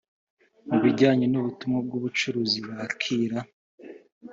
mu bijyanye n ubutumwa bw ubucuruzi bakira